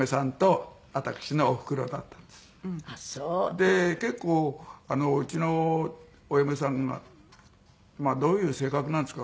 で結構うちのお嫁さんがまあどういう性格なんですか？